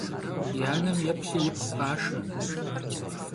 Yi anem yêplhi yipxhu khaşşe.